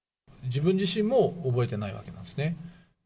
自分自身も覚えてないわけなんですね。